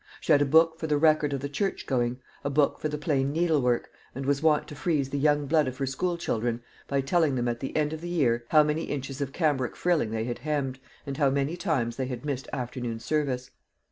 She had a book for the record of the church going, a book for the plain needlework, and was wont to freeze the young blood of her school children by telling them at the end of the year how many inches of cambric frilling they had hemmed, and how many times they had missed afternoon service.